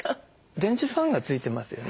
レンジファンが付いてますよね。